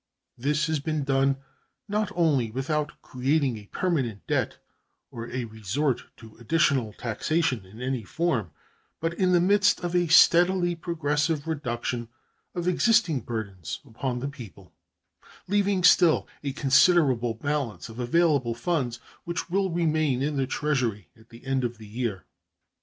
This has been done not only without creating a permanent debt or a resort to additional taxation in any form, but in the midst of a steadily progressive reduction of existing burdens upon the people, leaving still a considerable balance of available funds which will remain in the Treasury at the end of the year.